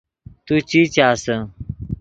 تو چی چاسے